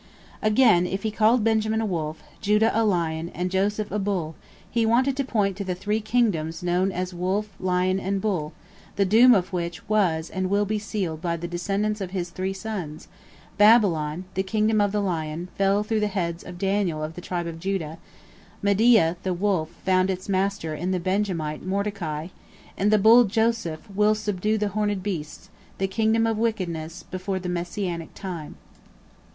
Again, if he called Benjamin a wolf, Judah a lion, and Joseph a bull, he wanted to point to the three kingdoms known as wolf, lion, and bull, the doom of which was and will be sealed by the descendants of his three sons: Babylon, the kingdom of the lion, fell through the hands of Daniel of the tribe of Judah; Media, the wolf, found its master in the Benjamite Mordecai; and the bull Joseph will subdue the horned beast, the kingdom of wickedness, before the Messianic time.